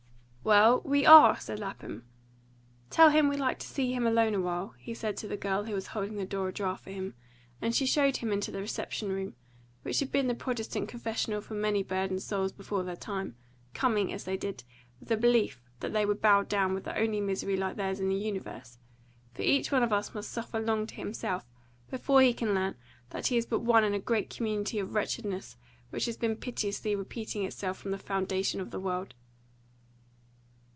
"Well, we ARE," said Lapham. "Tell him we'd like to see him alone a while," he said to the girl who was holding the door ajar for him, and she showed him into the reception room, which had been the Protestant confessional for many burdened souls before their time, coming, as they did, with the belief that they were bowed down with the only misery like theirs in the universe; for each one of us must suffer long to himself before he can learn that he is but one in a great community of wretchedness which has been pitilessly repeating itself from the foundation of the world.